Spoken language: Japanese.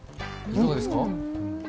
いかがですか？